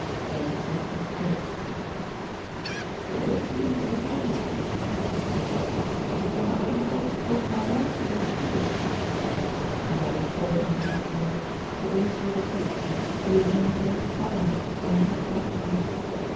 Then Cethru spoke: "So please your Highnesses," he said, "can I help what my lanthorn sees?" And having spoken these words, to all further questions he remained more silent than a headless man.